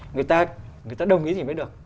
người ta đồng ý gì mới được